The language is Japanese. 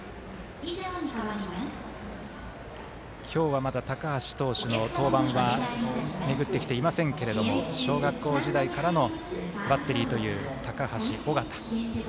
今日は、まだ高橋投手の登板は巡ってきていませんけれども小学校時代からのバッテリーという高橋、尾形。